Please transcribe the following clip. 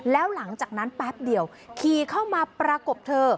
แล้วหลังจากนั้นแป๊บเดียวขี่เข้ามาประกบเธอ